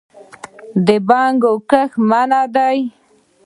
د بنګو کښت منع دی